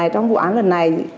trong vụ án lần này